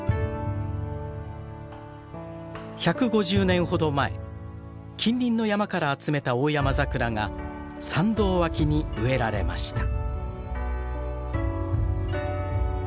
１５０年ほど前近隣の山から集めたオオヤマザクラが参道脇に植えられました。